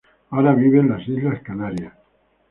Ahora vive en las Islas Canarias.